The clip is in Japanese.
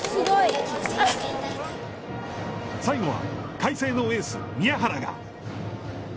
最後は海星のエース宮原が。